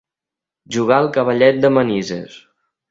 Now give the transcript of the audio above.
Jugar al cavallet de Manises.